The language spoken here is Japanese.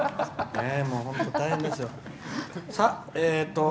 本当大変ですよ。